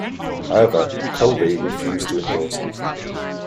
However, Kolbe refused to endorse him.